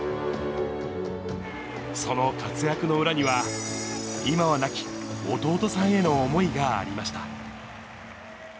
その活躍の裏には、今は亡き弟さんへの思いがありました。